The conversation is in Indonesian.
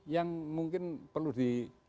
yang mungkin perlu di